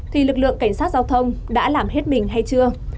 thì lực lượng cảnh sát giao thông đã làm hết mình hay chưa